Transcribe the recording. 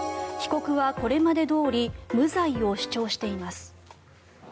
被告はこれまでどおり無罪を主張しています。